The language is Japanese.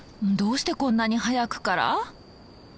どうしてこんなに早くから？